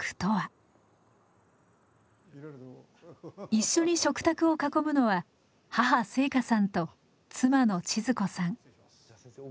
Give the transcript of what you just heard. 一緒に食卓を囲むのは母静香さんと妻の千鶴子さん。